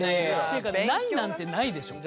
ていうかないなんてないでしょ。